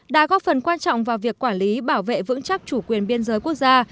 đã góp phần quan trọng vào việc quản lý bảo vệ vững chắc chủ quyền biên giới quốc gia